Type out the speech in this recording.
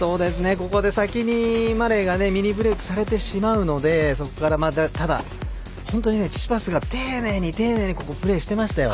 ここで、先にマレーがミニブレークされてしまうのでそこから、チチパスが丁寧にここ、プレーしてましたよ。